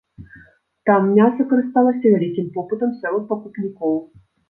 Там мяса карысталася вялікім попытам сярод пакупнікоў.